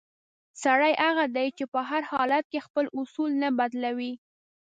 سړی هغه دی چې په هر حالت کې خپل اصول نه بدلوي.